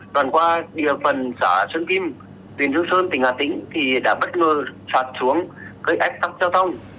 đoạn qua địa phần xã sơn kim huyện hương sơn tỉnh hà tĩnh thì đã bất ngờ sạt xuống gây ách tắc giao thông